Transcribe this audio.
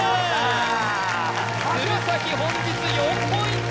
鶴崎本日４ポイント